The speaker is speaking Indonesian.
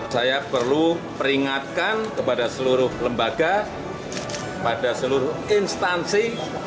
saya perlu peringatkan kepada seluruh lembaga pada seluruh instansi